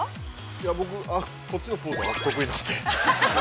◆いや僕、こっちのポーズは得意なんで。